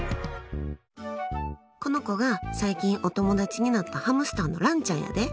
この子が最近お友達になったハムスターの蘭ちゃんやで。